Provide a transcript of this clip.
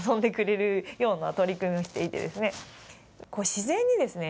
自然にですね